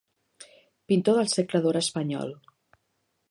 Pintor del Segle d'or espanyol.